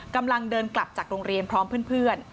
กำลังเดินกลับจากโรงเรียนพร้อมเพื่อน